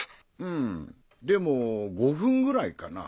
んでも５分ぐらいかな。